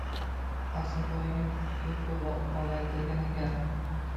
Osimboyning mulkiga ko‘z olaytirgan ekan